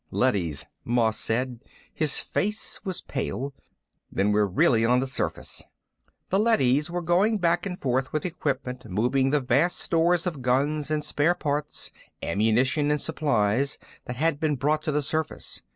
"Leadys," Moss said. His face was pale. "Then we're really on the surface." The leadys were going back and forth with equipment moving the vast stores of guns and spare parts, ammunition and supplies that had been brought to the surface.